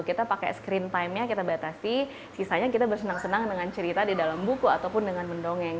kita pakai screen time nya kita batasi sisanya kita bersenang senang dengan cerita di dalam buku ataupun dengan mendongeng